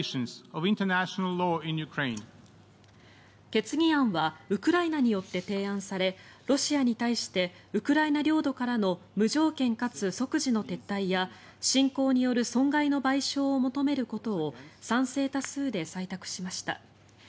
決議案はウクライナによって提案されロシアに対してウクライナ領土からの無条件かつ即時の撤退や侵攻による損害の賠償を求めることを賛成多数で採択しました。